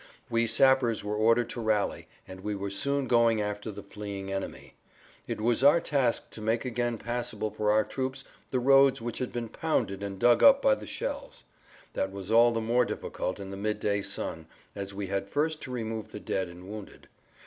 We sappers were ordered to rally and we were soon going after the fleeing enemy. It was our task to make again passable for our troops the roads which had been pounded and dug up by the shells; that was all the more difficult in the mid day sun, as we had first to remove the dead and wounded.